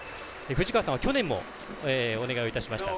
藤川さんは去年もお願いをいたしました。